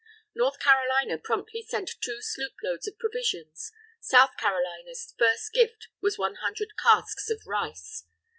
North Carolina promptly sent two sloop loads of provisions. South Carolina's first gift was one hundred casks of rice.